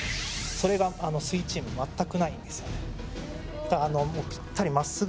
それがすイチーム全くないんですよ。